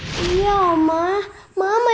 mama mama tau oma pasti sangat marah